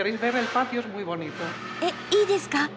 えっいいですか？